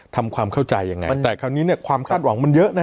ทำความเข้าใจยังไงแต่คราวนี้เนี่ยความคาดหวังมันเยอะนะ